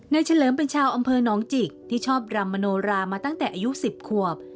เฉลิมเป็นชาวอำเภอน้องจิกที่ชอบรำมโนรามาตั้งแต่อายุ๑๐ขวบ